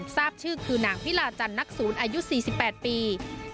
ทราบชื่อคือนางพิลาจันทร์นักศูนย์อายุ๔๘ปี